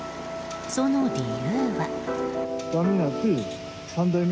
その理由は。